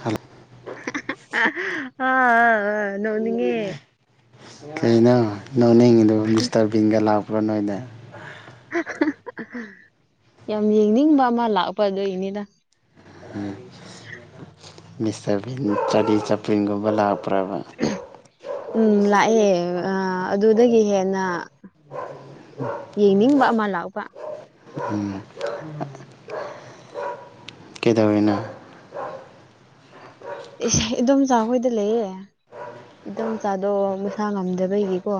hello ꯑꯥ ꯑꯥ ꯑꯥ ꯑꯥ ꯅꯣꯡꯅꯤꯡꯉꯦ ꯀꯩꯅꯣ ꯅꯣꯅꯤꯡꯉꯤꯗꯨꯕꯣ ꯃꯤꯁꯇꯔꯕꯤꯟꯒ ꯂꯥꯛꯄ꯭ꯔꯣ ꯅꯣꯏꯗ [unintelligible] ꯌꯥꯝ ꯌꯦꯡꯅꯤꯡꯕ ꯑꯃ ꯂꯥꯛꯄ ꯑꯗꯨꯏꯅꯤꯗ ꯃꯤꯁꯇꯔꯕꯤꯟ ꯆꯥꯔꯂꯤ ꯆꯞꯄ꯭ꯂꯤꯟꯒꯨꯝꯕ ꯂꯥꯛ ꯄ꯭ꯔꯥꯕ ꯎꯝ ꯂꯥꯛꯑꯦ ꯑ ꯑꯗꯨꯗꯒꯤ ꯍꯦꯟꯅ ꯌꯦꯡꯅꯤꯡꯕ ꯑꯃ ꯂꯥꯛꯄ ꯎꯝ ꯀꯩꯗꯧꯔꯤꯅꯣ ꯏꯁ ꯏꯗꯣꯝꯆꯥꯥ ꯍꯣꯏꯗ ꯂꯩꯌꯦ ꯏꯗꯣꯝ ꯆꯥꯗꯣꯛ ꯃꯁꯥ ꯉꯝꯗꯕꯒꯤꯀꯣ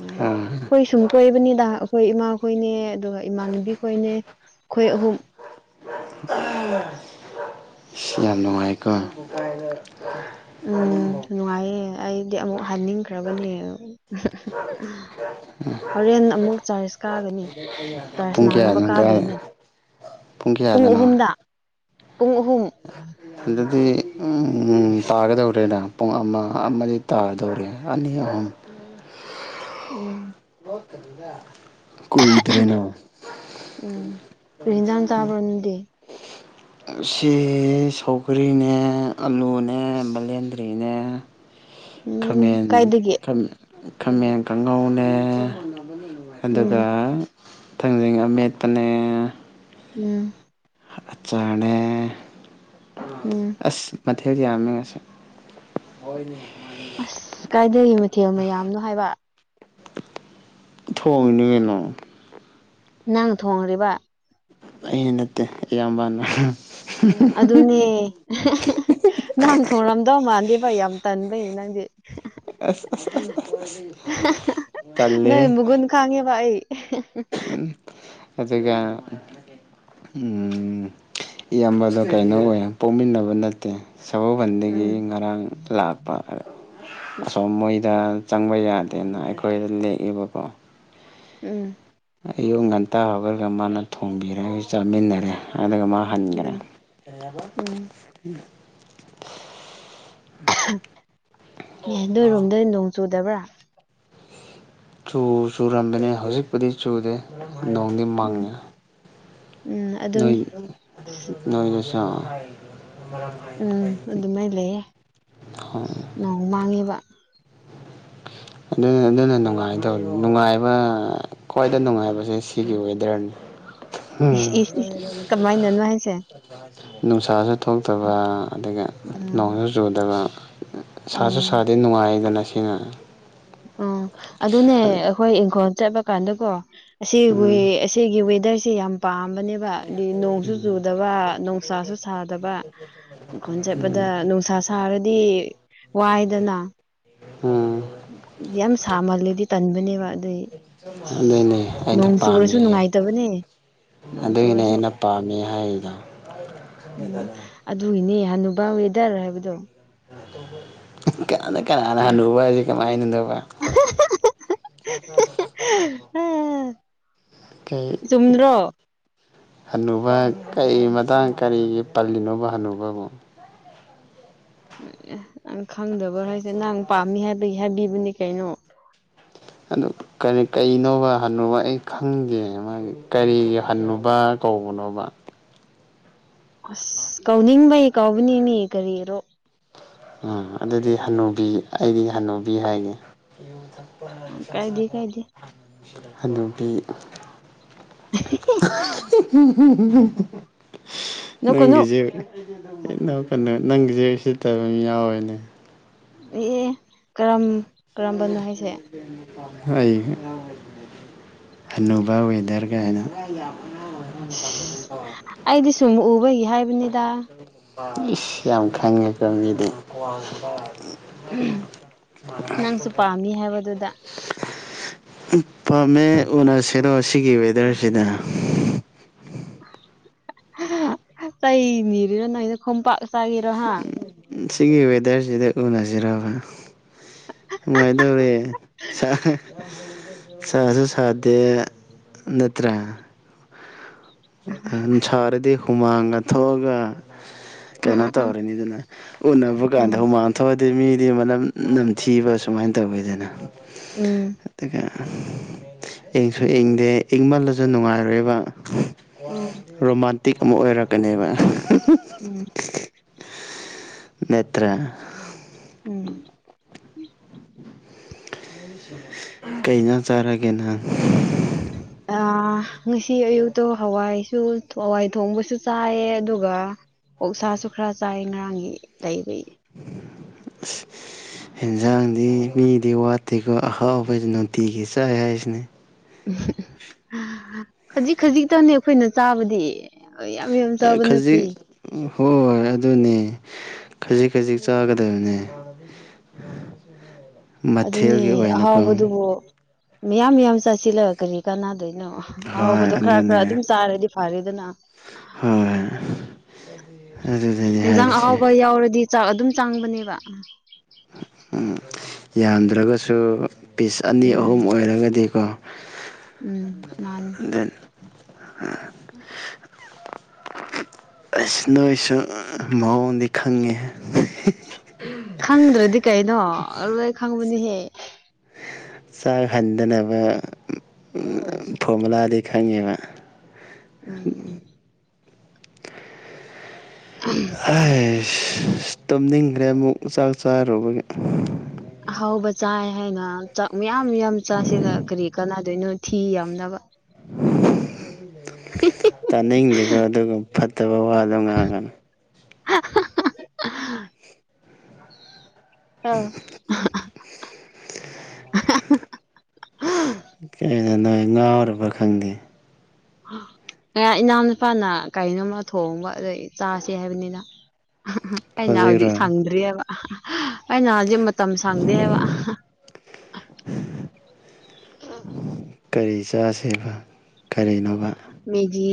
ꯎꯝ ꯑꯥ ꯑꯩꯈꯣꯏ ꯁꯨꯝ ꯀꯣꯏꯕꯅꯤꯗ ꯑꯩꯈꯣꯏ ꯏꯃꯥ ꯈꯣꯏꯅꯦ ꯑꯗꯨꯒ ꯏꯃꯥꯟꯅꯕꯤ ꯈꯣꯏꯅꯦ ꯈꯣꯏ ꯑꯍꯨꯝ ꯃꯥꯏꯀꯣ [inaudible] ꯎꯝ ꯅꯨꯡꯉꯥꯏꯌꯦ ꯑꯩꯗꯤ ꯑꯃꯨꯛ ꯍꯥꯏꯅꯤꯡꯈ꯭ꯔꯕꯅꯦ ꯍꯣꯔꯦꯟ ꯑꯃꯨꯛ ꯆꯥꯔꯖ ꯀꯥꯒꯅꯤ ꯆꯥꯔꯖ ꯄꯨꯡ ꯅꯥꯡꯅꯕ ꯀꯌꯥꯗꯅꯣ ꯀꯥꯏ ꯀꯥꯗꯣꯏꯅꯦ ꯄꯨꯡ ꯑꯍꯨꯝꯗ ꯄꯨꯡ ꯑꯍꯨꯝ ꯑꯗꯨꯗꯤ ꯇꯥꯒꯗꯧꯔꯦꯗ ꯄꯨꯡ ꯑꯃ ꯑꯃꯗꯤ ꯇꯥꯗꯧꯔꯦ ꯑꯅꯤ ꯑꯍꯨꯝ ꯎꯝ ꯀꯨꯏꯗ꯭ꯔꯦꯅ ꯀꯩ ꯍꯤꯡꯖꯥꯡ ꯆꯥꯕꯔꯣ ꯅꯪꯗꯤ ꯎꯝꯁꯤ ꯁꯧꯒꯔꯤꯅꯦ ꯑꯂꯨꯅꯦ ꯕꯂꯦꯟꯗ꯭ꯔꯤꯅꯦ ꯎꯝ ꯈꯥꯃꯦꯟ ꯀꯥꯏꯗꯒꯤ ꯈꯝ ꯈꯥꯃꯦꯟ ꯀꯥꯡꯉꯧꯅꯦ ꯑꯗꯨꯒ ꯎꯝ ꯊꯥꯡꯖꯤꯡ ꯑꯃꯦꯠꯄꯅꯦ ꯎꯝ ꯑꯆꯥꯔꯅꯦ ꯎꯝ ꯑꯁ ꯃꯊꯦꯜ ꯌꯥꯝꯃꯦ ꯉꯁꯤ ꯑꯁ ꯀꯥꯏꯗꯒꯤ ꯃꯊꯦꯜ ꯃꯌꯥꯝꯅꯣ ꯍꯥꯏꯕ ꯊꯣꯡꯉꯅꯤ ꯀꯅꯣ ꯅꯪ ꯊꯣꯡꯔꯤꯕ ꯑꯩ ꯅꯠꯇꯦ ꯏꯌꯥꯝꯕꯅꯥ ꯑꯗꯨꯅꯦ ꯅꯪ ꯊꯣꯡꯔꯝꯗꯧ ꯃꯥꯟꯗꯦꯕ ꯌꯥꯝ ꯇꯟꯕꯩ ꯅꯪꯗꯤ ꯑꯁ ꯑꯁ ꯑꯁ ꯑꯁ ꯑꯁ ꯇꯜꯂꯦꯍꯦ ꯅꯪ ꯃꯒꯨꯟ ꯈꯥꯡꯉꯦꯕ [unintelligible] ꯑꯗꯨꯒ ꯎꯝ ꯏꯌꯥꯝꯕꯗꯣ ꯀꯩꯅꯣ ꯑꯣꯏꯌꯦ ꯄꯣꯛꯃꯤꯟꯅꯕ ꯅꯠꯇꯦ ꯁꯒꯣꯜꯕꯟꯗꯒꯤ ꯎꯝ ꯉꯔꯥꯡ ꯂꯥꯛꯄ ꯑꯁꯣꯝ ꯃꯣꯏꯗ ꯆꯪꯕ ꯌꯥꯗꯦꯅ ꯑꯩꯈꯣꯏꯗ ꯂꯦꯛꯏꯕꯀꯣ ꯎꯝ ꯑꯌꯨꯛ ꯉꯟꯇꯥ ꯍꯧꯒꯠꯂ ꯃꯥꯅ ꯊꯣꯡꯕꯤꯔꯒ ꯆꯥꯃꯤꯟꯅꯔꯦ ꯑꯗꯨꯒ ꯃꯥ ꯍꯟꯒꯔꯦ ꯎꯝ ꯎꯝ ꯑꯦ ꯅꯣꯏꯔꯣꯝꯗ ꯅꯣꯡ ꯆꯨꯗꯕ꯭ꯔꯥ ꯆꯨ ꯆꯨꯔꯝꯕꯅꯦ ꯍꯧꯖꯤꯛꯄꯨꯗꯤ ꯆꯨꯗꯦ ꯅꯣꯡꯗꯤ ꯎꯝ ꯃꯪꯉꯦ ꯎꯝ ꯅꯣꯏ ꯑꯗꯨꯅꯤ ꯅꯣꯏꯗꯁꯨ ꯑ ꯎꯝ ꯑꯗꯨꯃꯥꯏ ꯂꯩꯌꯦ ꯍꯣꯏ ꯅꯣꯡ ꯃꯥꯡꯉꯦꯕ [inaudible] ꯑꯗꯨꯅꯦ ꯑꯗꯨꯅ ꯅꯨꯡꯉꯥꯏꯗꯧꯔꯤ ꯅꯨꯡꯉꯥꯏꯕ ꯈ꯭ꯋꯥꯏꯗ ꯅꯨꯡꯉꯥꯏꯕꯁꯦ ꯁꯤꯒꯤ ꯋꯦꯗꯔꯅꯦ ꯏꯁ ꯏꯁ ꯏꯁ ꯀꯃꯥꯏꯅꯅꯣ ꯍꯥꯏꯁꯦ ꯅꯨꯡꯁꯥꯁꯨ ꯊꯣꯛꯇꯕ ꯑꯗꯨꯒ ꯎꯝ ꯅꯣꯡꯁꯨ ꯆꯨꯗꯕ ꯁꯥꯁꯨ ꯎꯝ ꯁꯥꯗꯦ ꯅꯨꯡꯉꯥꯏꯗꯅ ꯁꯤꯅ ꯑꯣ ꯑꯗꯨꯅꯦ ꯑꯩꯈꯣꯏ ꯏꯪꯈꯣꯜ ꯆꯠꯄ ꯀꯥꯟꯗꯀꯣ ꯑꯁꯤꯋꯦ ꯎꯝ ꯑꯁꯤꯒꯤ ꯋꯦꯗꯔ ꯁꯦ ꯌꯥꯝ ꯄꯥꯝꯕꯅꯦꯕ ꯍꯥꯗꯤ ꯅꯣꯡꯁꯨ ꯆꯨꯗꯕ ꯅꯨꯡꯁꯥꯁꯨ ꯁꯥꯗꯕ ꯑꯈꯣꯟ ꯆꯠꯄꯗ ꯎꯝ ꯅꯨꯡꯁꯥ ꯁꯥꯔꯗꯤ ꯋꯥꯏꯗꯅ ꯎꯝ ꯌꯥꯝ ꯁꯥꯃꯜꯂꯦꯗꯤ ꯇꯟꯕꯅꯦꯕ ꯑꯗꯨꯏ ꯑꯗꯨꯏꯅꯦ ꯑꯩꯅ ꯅꯣꯡ ꯆꯨꯔꯁꯨ ꯄꯥꯝꯃꯤꯁꯦ ꯅꯨꯡꯉꯥꯏꯇꯕꯅꯦ ꯅꯣꯡ ꯑꯗꯨꯒꯤꯅꯦ ꯆꯨꯔꯁꯨ ꯑꯩꯅ ꯄꯥꯝꯃꯦ ꯍꯥꯏꯔꯤꯗꯣ ꯎꯝ ꯑꯗꯨꯒꯤꯅꯦ ꯍꯅꯨꯕ ꯋꯦꯗꯔ ꯍꯥꯏꯕꯗꯣ ꯀꯅ ꯀꯅꯥꯅ ꯍꯅꯨꯕ ꯍꯥꯏꯁꯦ ꯀꯃꯥꯏꯅꯅꯣ [inaudible] ꯀꯩ ꯆꯨꯝꯗ꯭ꯔꯣ ꯍꯅꯨꯕ ꯀꯩ ꯃꯇꯥꯡ ꯀꯔꯤꯒꯤ ꯄꯜꯂꯤꯅꯣꯕ ꯍꯟꯅꯨꯕꯕꯨ ꯈꯪꯗꯕ ꯍꯥꯏꯁꯦ ꯅꯪ ꯄꯥꯝꯃꯤ ꯍꯥꯏꯕꯒꯤ ꯍꯥꯏꯕꯤꯕꯅꯦ ꯀꯩꯅꯣ [inaudible] ꯑꯗꯨ ꯀꯔꯤ ꯀꯩꯅꯣꯕ ꯍꯟꯅꯨꯕ ꯑꯩ ꯈꯪꯗꯦ ꯃꯥꯒꯤ ꯀꯔꯤꯒꯤ ꯍꯟꯅꯨꯕ ꯀꯧ ꯕꯅꯣꯕ ꯑꯁ ꯀꯧꯅꯤꯡꯕꯩ ꯀꯧꯕꯅꯤꯃꯤ ꯀꯔꯤꯔꯣ ꯑ ꯑꯗꯨꯗꯤ ꯍꯟꯅꯨꯕꯤ ꯑꯩꯗꯤ ꯍꯟꯅꯨꯕꯤ ꯍꯥꯏꯅꯤ ꯀꯥꯏꯗꯦ ꯀꯥꯏꯗꯦ ꯍꯅꯨꯕꯤ [unintelligible] ꯅꯣ ꯀꯩꯅꯣ ꯅꯪꯒꯤꯁꯦ ꯅ ꯀꯩꯅꯣ ꯅꯪꯒꯤꯁꯦ ꯎꯁꯤꯠꯇꯕ ꯃ ꯌꯥꯎꯋꯦꯅꯦ ꯑꯦ ꯑꯦ ꯀꯔꯝ ꯀꯔꯝꯕꯅꯣ ꯍꯥꯏꯁꯦ ꯍꯣꯏ ꯍꯅꯨꯕ ꯋꯦꯗꯔ ꯒꯥꯏꯅ ꯁꯤꯁ ꯑꯩꯗꯤ ꯁꯨꯝ ꯎꯕꯒꯤ ꯍꯥꯏꯕꯅꯤ ꯏꯁ ꯌꯥꯝ ꯈꯪꯉꯦꯀꯣ ꯃꯤꯗꯤ ꯅꯪꯁꯨ ꯄꯥꯝꯃꯤ ꯍꯥꯏꯕꯗꯨꯗ ꯎꯝ ꯄꯥꯝꯃꯦ ꯎꯅꯁꯤꯔꯣ ꯁꯤꯒꯤ ꯋꯦꯗꯔꯁꯤꯗ ꯆꯩ ꯅꯤꯔꯤꯔꯣ ꯅꯪꯁꯦ ꯈꯣꯝꯄꯥꯛ ꯆꯥꯒꯔꯣ ꯍꯥ ꯁꯤꯒꯤ ꯋꯦꯗꯔꯁꯤꯗ ꯎꯅꯁꯤꯔꯕ ꯅꯨꯡꯉꯥꯏꯗꯧꯔꯦ ꯁ ꯍꯥ ꯁꯥꯁꯨ ꯁꯥꯗꯦ ꯅꯠꯇ꯭ꯔꯥ ꯁꯥꯔꯗꯤ ꯍꯨꯃꯥꯡꯒ ꯊꯣꯛꯑꯒ ꯎꯝ ꯀꯩꯅꯣ ꯎꯝ ꯇꯧꯔꯦꯅꯤꯗꯅ ꯎꯟꯅꯕꯒꯥꯟꯗ ꯎꯝ ꯍꯨꯃꯥꯡ ꯊꯣꯛꯑ ꯗꯤ ꯃꯤꯗꯤ ꯃꯅꯝ ꯅꯝꯊꯤꯕ ꯁꯨꯃꯥꯏꯟ ꯇꯧꯋꯤꯗꯅ ꯎꯝ ꯑꯗꯨꯒ ꯏꯪꯁꯨ ꯏꯪꯗꯦ ꯏꯪꯃꯜꯂꯁꯨ ꯅꯨꯡꯉꯥꯏꯔꯣꯏꯕ ꯎꯝ ꯎꯝ ꯔꯣꯃꯥꯟꯇꯤꯛ ꯑꯃ ꯑꯣꯏꯔꯛꯀꯅꯦꯕ ꯎꯝ ꯅꯠꯇ꯭ꯔꯥ ꯎꯝ [inaudible] ꯀꯩꯖꯥꯡ ꯆꯥꯔꯒꯦ ꯅꯪ ꯑꯥ ꯉꯁꯤ ꯑꯌꯨꯛꯇꯣ ꯍꯋꯥꯏꯁꯨ ꯍꯋꯥꯏ ꯊꯣꯡꯕꯁꯨ ꯆꯥꯏꯌꯦ ꯑꯗꯨꯒ ꯑꯣꯛꯁꯥꯁꯨ ꯈꯔ ꯆꯥꯏꯌꯦ ꯉꯔꯥꯡꯒꯤ ꯂꯩꯕꯩ ꯑꯁ ꯍꯦꯟꯖꯥꯡꯗꯤ ꯃꯤꯗꯤ ꯋꯥꯠꯇꯦꯀꯣ ꯑꯍꯥꯎꯕꯁꯦ ꯅꯨꯡꯇꯤꯒꯤ ꯆꯥꯏ ꯍꯥꯏꯁꯤꯅꯦ ꯍꯤꯍꯤ ꯑꯥ ꯈꯖꯤꯛ ꯈꯖꯤꯛꯇꯅꯦ ꯑꯩꯈꯣꯏꯅ ꯆꯥꯕꯗꯤ ꯌꯥꯝ ꯌꯥꯝ ꯑꯥ ꯆꯥꯕ ꯈꯖꯤꯛ ꯅꯠꯇꯦ ꯍꯣꯏ ꯍꯣꯏ ꯑꯗꯨꯅꯦ ꯈꯖꯤꯛ ꯈꯖꯤꯛ ꯆꯥꯒ ꯗꯕꯅꯦ ꯑꯗꯨꯅꯤ ꯑꯍꯥꯎꯕꯗꯨꯕꯨ ꯃꯤꯌꯥꯝ ꯃꯤꯌꯥꯝ ꯆꯥꯁꯤꯜꯂꯒ ꯀꯔꯤ ꯀꯅꯥꯗꯣꯏꯅꯣ ꯍꯣꯏ ꯑꯍꯥꯎꯕꯗꯣ ꯈꯔ ꯈꯔ ꯑꯗꯨꯅꯦ ꯑꯗꯨꯝ ꯆꯥꯔꯗꯤ ꯐꯔꯦꯗꯅ ꯍꯣꯏ ꯑꯗꯨꯗꯅꯤ ꯏꯟꯖꯥꯡ ꯍꯥꯏꯔꯤꯁꯦ ꯑꯍꯥꯎꯕ ꯌꯥꯎꯔꯗꯤ ꯆꯥꯛ ꯑꯗꯨꯝ ꯆꯥꯡꯕꯅꯦꯕ ꯎꯝ ꯌꯥꯝꯗ꯭ꯔꯒꯁꯨ ꯄꯤꯁ ꯑꯅꯤ ꯑꯍꯨꯝ ꯎꯝ ꯑꯣꯏꯔꯒꯗꯤꯀꯣ ꯎꯝ ꯃꯥꯅꯦ [inaudible] ꯑꯁ ꯅꯣꯏꯁꯨ ꯃꯑꯣꯡꯗꯤ ꯈꯪꯉꯦ ꯍꯥꯍꯥ ꯈꯪꯗ꯭ꯔꯗꯤ ꯀꯩꯅꯣ ꯂꯣꯏ ꯈꯪꯕꯅꯤꯍꯦ ꯆꯥꯛ ꯍꯟꯗꯅꯕ ꯐꯣꯔꯃꯨꯂꯥꯗꯤ ꯈꯪꯉꯦꯕ ꯎꯝ ꯑꯩꯁ ꯇꯨꯝꯅꯤꯡꯈ꯭ꯔꯦ ꯑꯃꯨꯛ ꯆꯥꯛ ꯆꯥꯔꯨꯕꯒꯤ ꯑꯍꯥꯎꯕ ꯆꯥꯏ ꯍꯥꯏꯅ ꯆꯥꯛ ꯃꯌꯥꯝ ꯌꯥꯝ ꯆꯥꯁꯤꯂꯒ ꯀꯔꯤ ꯀꯥꯟꯅꯗꯣꯏꯅꯣ ꯊꯤ ꯌꯥꯝꯅꯕ ꯇꯥꯅꯤꯡꯗꯦꯒꯣ ꯑꯗꯨꯒ ꯐꯠꯇꯕ ꯋꯥꯗꯣ ꯉꯥꯡꯒꯅꯨ [unintelligible] [unintelligible] ꯀꯩꯅꯣ ꯅꯣꯏ ꯉꯥꯎꯔꯕ ꯈꯪꯗꯦ [inaudible] ꯀꯌꯥ ꯏꯅꯥꯎ ꯅꯨꯨꯄꯥꯅ ꯀꯩꯅꯣꯝꯃ ꯊꯣꯡꯕ ꯑꯗꯥꯒꯤ ꯆꯥꯁꯦ ꯍꯥꯏꯕꯅꯤꯗ ꯍꯥꯍꯥ ꯑꯩ ꯅꯥꯎꯗꯤ ꯍꯧꯖꯤꯛ ꯍꯧꯖꯤꯛꯔꯣ ꯁꯪꯗ꯭ꯔꯤ ꯍꯥꯏꯕ ꯑꯩꯅ ꯍꯧꯖꯤꯛ ꯃꯇꯝ ꯁꯪꯗꯦ ꯍꯥꯏꯕ ꯀꯔꯤ ꯆꯥꯁꯦꯕ ꯀꯔꯤꯅꯣꯕ ꯃꯦꯒꯤ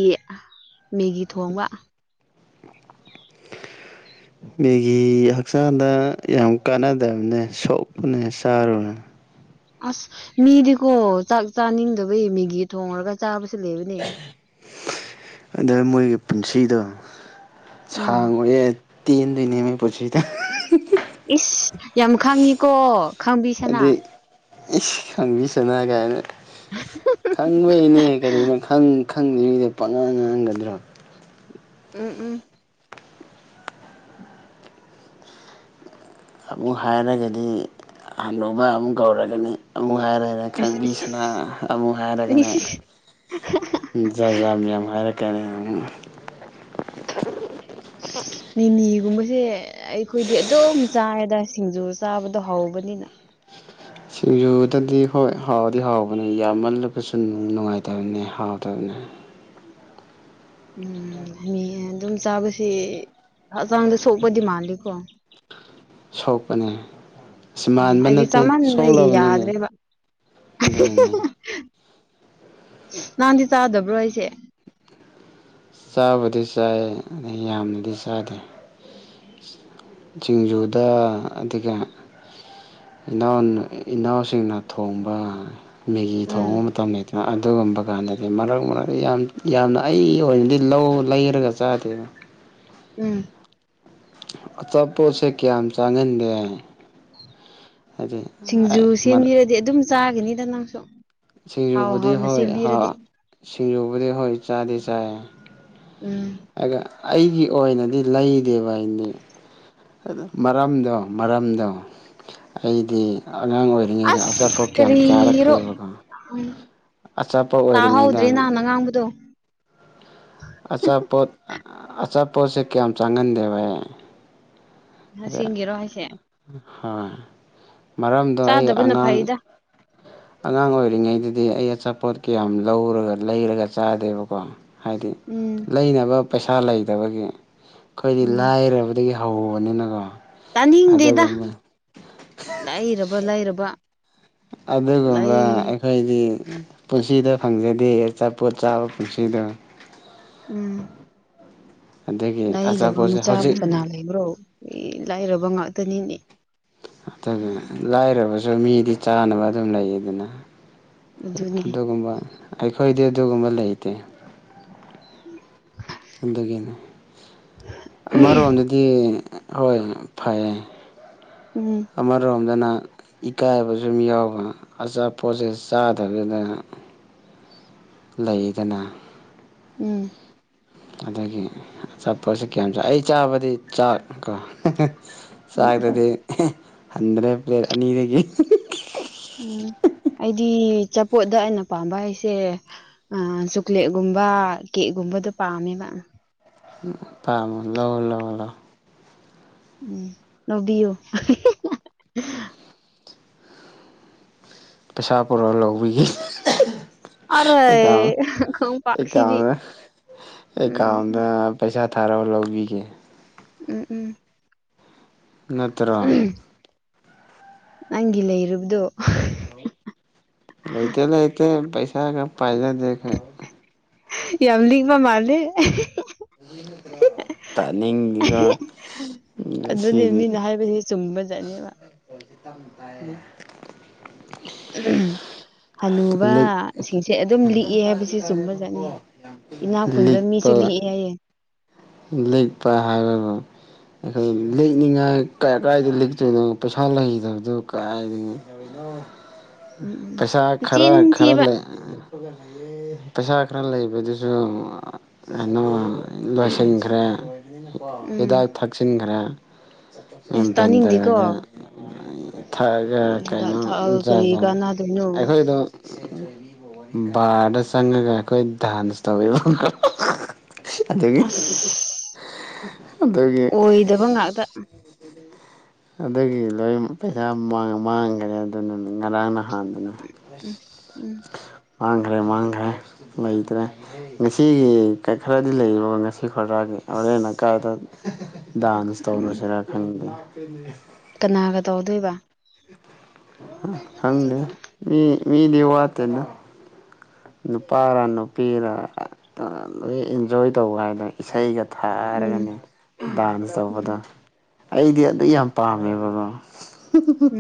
ꯃꯦꯒꯤ ꯊꯣꯡꯕ [inaudible] ꯃꯦꯒꯤ ꯍꯛꯆꯥꯡꯗ ꯌꯥꯝ ꯀꯥꯟꯅꯗꯕꯅꯦ ꯁꯣꯛꯄꯅꯦ ꯆꯥꯔꯨꯅꯣ ꯑꯁ ꯃꯤꯗꯤꯀꯣ ꯆꯥꯛ ꯆꯥꯅꯤꯡꯗꯕꯩ ꯃꯤꯒꯤ ꯊꯣꯡꯔꯒ ꯆꯥꯕꯁ ꯂꯩꯕꯅꯦ ꯑꯗꯥ ꯃꯣꯏꯒꯤ ꯄꯨꯟꯁꯤꯗꯣ ꯎꯝ ꯁꯥꯡꯉꯣꯏꯌꯦ ꯇꯦꯟꯗꯣꯏꯅꯤ ꯃꯣꯏ ꯄꯨꯟꯁꯤꯗꯣ ꯎꯝꯍꯤꯍꯤ ꯏꯁ ꯌꯥꯝ ꯈꯪꯉꯤꯀꯣ ꯈꯪꯕꯤꯁꯥꯅꯥ ꯑꯗꯩ ꯏꯁ ꯈꯪꯕꯤꯁꯥꯅꯥ ꯀꯥꯏꯅ ꯈꯪꯕꯩꯅꯦ ꯀꯔꯤꯅꯣ ꯈꯪ ꯈꯪꯗ꯭ꯔꯤꯉꯩꯗ ꯄꯪꯉꯥꯡ ꯉꯥꯡꯒꯗ꯭ꯔꯥ ꯎꯝ ꯎꯝ ꯑꯃꯨꯛ ꯍꯥꯏꯔꯒꯗꯤ ꯍꯅꯨꯕ ꯑꯃꯨꯛ ꯀꯧꯔꯒꯅꯤ ꯑꯃꯨꯛ ꯍꯥꯏꯔꯔ ꯏꯁ ꯈꯪꯕꯤꯁꯥꯅ ꯏꯁ ꯑꯃꯨꯛ ꯍꯥꯏꯔꯒꯅ ꯖꯥꯖꯥ ꯃꯌꯥꯝ ꯍꯥꯏꯔꯛꯀꯅꯤ ꯃꯨꯛ ꯃꯤꯃꯤꯒꯨꯝꯕ ꯖꯦ ꯑꯩꯈꯣꯏꯗꯤ ꯑꯗꯨꯝ ꯆꯥꯌꯦꯗ ꯁꯤꯡꯖꯨ ꯆꯥꯕꯗꯣ ꯍꯧꯕꯅꯤꯅ ꯁꯤꯡꯖꯨꯗꯗꯤ ꯍꯣꯏ ꯍꯥꯎꯗꯤ ꯍꯥꯎꯕꯅꯦ ꯌꯥꯝꯃꯜꯂꯕꯁꯨ ꯅꯨꯡꯉꯥꯏꯇꯕꯅꯤ ꯍꯥꯎꯇꯕꯅꯤ [inaudible] ꯎꯝ ꯃꯤ ꯑꯗꯨꯝ ꯆꯥꯕꯁꯤ ꯍꯛꯆꯥꯡꯗ ꯁꯣꯛꯄꯗꯤ ꯃꯥꯜꯂꯤꯀꯣ ꯁꯣꯛꯄꯅꯦ ꯑꯁ ꯎꯝ ꯃꯥꯟꯕ ꯑꯩꯗꯤ ꯅꯠꯇꯦ ꯆꯥꯃꯟꯕꯒꯤ ꯁꯣꯛꯂꯕꯅꯤꯅꯦ ꯌꯥꯗ꯭ꯔꯦꯕ ꯑꯗꯨꯏꯅꯦ ꯅꯍꯥꯟꯗꯤ ꯆꯥꯗꯕ꯭ꯔꯣ ꯍꯩꯁꯦ ꯆꯥꯕꯨꯗꯤ ꯆꯥꯏ ꯌꯥꯝꯅꯗꯤ ꯆꯥꯗꯦ ꯁꯤꯡꯖꯨꯗ ꯑꯗꯨꯒ ꯏꯅꯥꯎꯅ ꯏꯅꯥꯎꯁꯤꯡꯅ ꯊꯣꯡꯕ ꯃꯦꯒꯤ ꯎꯝ ꯊꯣꯡꯕ ꯃꯇꯝ ꯂꯩꯇꯅ ꯑꯗꯨꯒꯨꯝꯕ ꯀꯥꯟꯗꯗꯤ ꯃꯔꯛ ꯃꯔꯛ ꯌꯥꯝ ꯌꯥꯝꯅ ꯑꯩꯒꯤ ꯑꯣꯏꯅꯗꯤ ꯂꯧ ꯂꯩꯔꯒ ꯆꯥꯗꯦꯗ ꯎꯝ ꯑꯆꯥꯄꯣꯠꯁꯦ ꯀꯌꯥꯝ ꯆꯥꯉꯟꯗꯦ ꯁꯤꯡꯖꯨ ꯁꯦꯝꯕꯤꯔꯗꯤ ꯑꯗꯨꯝ ꯆꯥꯒꯤꯅꯤꯗ ꯅꯪꯁꯨ ꯍꯥꯎ ꯁꯤꯖꯨꯕꯨꯗꯤ ꯍꯥꯎꯅ ꯍꯣꯏ ꯍꯥ ꯁꯦꯝꯕꯤꯔꯗꯤ ꯁꯤꯖꯨꯕꯨꯗꯤ ꯍꯣꯏ ꯆꯥꯗꯤ ꯆꯥꯏ ꯎꯝ ꯑꯗ ꯑꯩꯒꯤ ꯑꯣꯏꯅꯗꯤ ꯂꯩꯗꯦꯕ ꯑꯩꯗꯤ ꯃꯔꯝꯗꯣ ꯃꯔꯝꯗꯣ ꯑꯩꯗꯤ ꯑꯉꯥꯡ ꯑꯣꯏꯔꯤꯉꯩꯗ ꯑꯆꯥꯄꯣꯠ ꯑꯁ ꯀꯌꯥꯝ ꯀꯔꯤꯔꯣ ꯆꯥꯔꯛꯇꯦꯕꯀꯣ ꯎꯝ ꯑꯆꯥꯄꯣꯠ ꯑꯣꯏꯔꯤꯉꯩꯗ ꯇꯥꯍꯧꯗ꯭ꯔꯦ ꯅꯍꯥꯟꯅ ꯉꯥꯡꯕꯗꯣ ꯑꯆꯥꯄꯣꯠ ꯑꯆꯥꯄꯣꯠꯁꯦ ꯀꯌꯥꯝ ꯆꯥꯡꯉꯟꯗꯦꯕ ꯑꯩ ꯑꯗ ꯑꯁꯦꯡꯒꯤꯔꯣ ꯍꯥꯏꯁꯦ ꯍꯣꯏ ꯃꯔꯝꯗꯣ ꯑꯩ ꯆꯥꯗꯕꯅ ꯑꯉꯥꯡ ꯐꯩꯗ ꯑꯉꯥꯡ ꯑꯣꯏꯔꯤꯉꯩꯗꯗꯤ ꯑꯩ ꯑꯆꯥꯄꯣꯠ ꯀꯌꯥꯝ ꯂꯧꯔꯒ ꯂꯩꯔꯒ ꯆꯥꯗꯦꯕꯀꯣ ꯍꯥꯏꯗꯤ ꯎꯝ ꯂꯩꯅꯕ ꯄꯩꯁꯥ ꯂꯩꯇꯕꯒꯤ ꯑꯈꯣꯏꯗꯤ ꯂꯥꯏꯔꯕꯗꯒꯤ ꯍꯧꯕꯅꯤꯅꯒꯣ ꯇꯅꯤꯡꯗꯦꯗ ꯂꯥꯏꯔꯕ ꯂꯥꯏꯔꯕ ꯑꯗꯨꯒꯨꯝꯕ ꯑꯩꯈꯣꯏꯗꯤ ꯄꯨꯟꯁꯤꯗ ꯐꯪꯖꯗꯦ ꯑꯆꯥꯄꯣꯠ ꯆꯥꯕ ꯄꯨꯟꯁꯤꯗꯣ ꯎꯝ ꯑꯗꯒꯤ ꯂꯥꯏꯗꯕ ꯑꯆꯥꯄꯣꯠꯁꯦ ꯃꯆꯥꯕꯨ ꯍꯧꯖꯤꯛ ꯀꯅꯥ ꯂꯩꯕ꯭ꯔꯣ ꯂꯥꯏꯔꯕ ꯉꯥꯛꯇꯅꯤꯅꯦ ꯑꯗꯨꯅꯦ ꯂꯥꯏꯔꯕꯖꯨ ꯃꯤꯗꯤ ꯆꯥꯅꯕ ꯑꯗꯨꯝ ꯂꯩꯗꯅ ꯑꯗꯨꯅꯤ ꯑꯗꯨꯒꯨꯝꯕ ꯑꯩꯈꯣꯏꯗꯤ ꯑꯗꯨꯒꯨꯝꯕ ꯂꯩꯇꯦ [inaudible] ꯑꯗꯨꯒꯤꯅꯦ ꯑꯃꯔꯣꯝꯗꯗꯤ ꯍꯣꯏ ꯐꯩꯌꯦ ꯎꯝ ꯑꯃꯔꯣꯝ ꯑꯗꯨꯅ ꯏꯀꯥꯏꯕꯁꯨꯨꯝ ꯌꯥꯎꯕ ꯑꯆꯥꯄꯣꯠꯁꯦ ꯆꯥꯗꯕꯤꯗ ꯂꯩꯗꯅ ꯎꯝ ꯑꯗꯒꯤ ꯑꯆꯥꯄꯣꯠꯁꯦ ꯀꯌꯥꯝ ꯆꯥ ꯑꯩ ꯆꯥꯕꯗꯤ ꯆꯥꯛ ꯀꯣ ꯎꯝ ꯆꯥꯛꯇꯗꯤ ꯍꯟꯗ꯭ꯔꯦ ꯄ꯭ꯂꯦꯠ ꯑꯅꯤꯗꯒꯤ ꯎꯝ ꯑꯩꯗꯤ ꯑꯆꯥꯄꯣꯠꯗ ꯑꯩꯅ ꯄꯥꯝꯕ ꯍꯥꯏꯁꯦ ꯑ ꯆꯣꯀ꯭ꯂꯦꯠꯀꯨꯝꯕ ꯀꯦꯛꯒꯨꯝꯕ ꯀꯨꯝꯕꯗ ꯄꯥꯃꯦꯕꯥ ꯎ ꯄꯥꯃ ꯂꯧ ꯂꯧ ꯂꯧ ꯎꯝ ꯂꯧꯕꯤꯑꯣ ꯄꯩꯁꯥ ꯄꯣꯔꯣꯛꯑ ꯂꯧꯕꯤꯒꯦ ꯑꯔꯣꯏ ꯈꯣꯡꯄꯥꯛꯁꯤꯗꯤ ꯑꯦꯀꯥꯎꯟ ꯎꯝ ꯑꯦꯀꯥꯎꯟꯗ ꯎꯝ ꯄꯩꯁꯥ ꯊꯥꯔꯣ ꯂꯧꯕꯤꯒꯦ ꯎꯝ ꯎꯝ ꯅꯇ꯭ꯔꯣ ꯎꯝ ꯅꯪꯒꯤ ꯂꯩꯔꯕꯗꯨ ꯂꯩꯇꯦ ꯂꯩꯇꯦ ꯄꯩꯁꯥꯒ ꯄꯥꯏꯖꯗꯦ ꯈꯣꯏ ꯌꯥꯝꯂꯤꯄ ꯃꯥꯜꯂꯦ ꯇꯅꯤꯡꯗꯤꯒꯣ ꯑꯗꯨꯅꯦ ꯃꯤꯅ ꯍꯥꯏꯕꯁꯤ ꯆꯨꯝꯕ ꯆꯠꯅꯦꯕ [unintelligible] ꯎꯝ ꯍꯅꯨꯕ ꯂꯤꯛ ꯁꯤꯡꯁꯦ ꯑꯗꯨꯝ ꯂꯤꯛꯑꯦ ꯍꯥꯏꯕꯕꯁꯤꯦ ꯆꯨꯝꯕ ꯆꯠꯅꯤ ꯏꯅꯥ ꯈꯨꯨꯟꯕ ꯃꯤꯁꯨ ꯂꯤꯛꯄ ꯂꯤꯛꯑ ꯑꯦ ꯍꯥꯢ ꯌꯦ ꯂꯤꯛꯄ ꯍꯥꯏꯔꯒ ꯑꯩꯈꯣꯏ ꯂꯦꯛꯅꯤꯡꯉꯥꯏ ꯀꯥꯏ ꯀꯥꯏꯗ ꯂꯦꯛꯇꯣꯏꯅꯣ ꯄꯩꯁꯥ ꯂꯩꯗꯕꯗꯣ ꯀꯥꯏꯗꯅꯣ ꯎꯝ ꯎꯝ ꯄꯩꯁꯥ ꯈꯔ ꯃꯆꯤꯟ ꯈꯔ ꯊꯤꯕ ꯂꯩ ꯄꯩꯁꯥ ꯈꯔ ꯂꯩꯕꯗꯨꯁꯨ ꯀꯩꯅꯣ ꯂꯣꯏ ꯊꯤꯡꯈ꯭ꯔꯦ ꯎꯝ ꯍꯤꯗꯥꯛ ꯊꯛꯆꯤꯟꯈ꯭ꯔꯦ ꯑꯦꯝ ꯑꯦꯁ ꯇꯥꯅꯤꯡꯗꯦꯀꯣ ꯕꯦꯟꯗꯔꯒ ꯊꯛꯑꯒ ꯍꯤꯗꯥꯛ ꯀꯩꯅꯣ ꯊꯛꯑꯒ ꯀꯔꯤ ꯖꯖ ꯀꯥꯟꯅꯗꯣꯏꯅꯣ ꯑꯩꯈꯣꯏꯗꯣ ꯕꯥꯔꯗ ꯆꯪꯉꯒ ꯑꯩꯈꯣꯏ ꯗꯥꯟꯁ ꯇꯧꯋꯦꯕ ꯀꯣ ꯑꯗꯨꯒꯤ ꯑꯁ [inaudible] ꯑꯣꯏꯗꯕ ꯉꯥꯛꯇ ꯑꯗꯨꯒꯤ ꯂꯣꯏ ꯄꯩꯁꯥ ꯃꯥꯡ ꯃꯥꯡꯈ꯭ꯔꯦ ꯑꯗꯨꯅ ꯉꯔꯥꯡ ꯅꯍꯥꯟ ꯅ ꯎꯝ ꯎꯝ ꯃꯥꯡ ꯈꯔꯦ ꯃꯥꯡꯈ꯭ꯔꯦ ꯂꯩꯇ꯭ꯔꯦ ꯉꯁꯤꯒꯤ ꯈꯔꯗꯤ ꯂꯩ ꯉꯁꯤ ꯈꯗ꯭ꯔꯥꯒꯤ ꯍꯣꯔꯦꯟꯅ ꯀꯥꯏꯗ ꯗꯥꯟꯁ ꯎꯝ ꯇꯧꯔꯨꯁꯤꯔꯥ ꯈꯪꯗꯦ ꯀꯅꯥꯒ ꯇꯧꯗꯣꯏꯕ ꯈꯪꯅꯦ ꯃꯤ ꯃꯤꯗꯤ ꯋꯥꯇꯦꯗ ꯅꯨꯄꯥꯔ ꯅꯨꯄꯤꯔ ꯂꯣꯏ ꯏꯟꯖꯣꯏ ꯇꯧꯕ ꯍꯥꯏꯗ ꯏꯁꯩꯒ ꯎꯝ ꯊꯥꯔꯒꯅꯦ ꯗꯥꯟꯁ ꯎꯝ ꯇꯧꯕꯗ ꯑꯩꯗꯤ ꯑꯗꯨ ꯌꯥꯝ ꯄꯥꯝꯃꯦꯕꯀꯣ ꯎꯝ